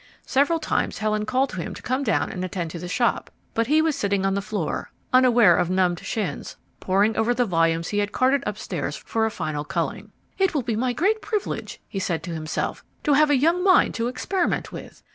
Several times Helen called him to come down and attend to the shop, but he was sitting on the floor, unaware of numbed shins, poring over the volumes he had carted upstairs for a final culling. "It will be a great privilege," he said to himself, "to have a young mind to experiment with.